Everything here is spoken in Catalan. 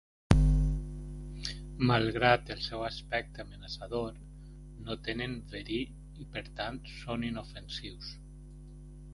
Malgrat el seu aspecte amenaçador, no tenen verí i per tant són inofensius.